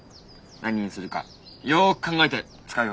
何にするかよく考えて使うように。